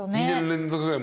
２年連続。